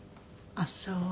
あっそう。